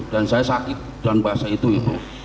dan saya sakit dengan bahasa itu ibu